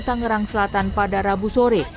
tangerang selatan pada rabu sore